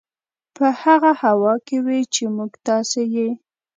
په هغه هوا کې وي چې موږ تاسې یې